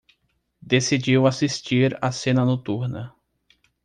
Decidiu assistir a cena noturna